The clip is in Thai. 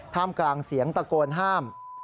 กลางเสียงตะโกนห้าม